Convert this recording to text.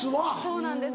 そうなんです